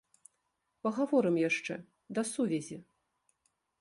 Пагаворым яшчэ, да сувязі!